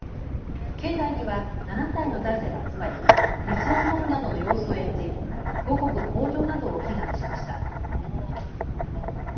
境内には７体の大蛇が集まり水を飲むなどの様子を演じ五穀豊じょうなどを祈願しました。